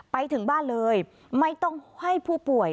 ไปถึงบ้านเลยไม่ต้องให้ผู้ป่วย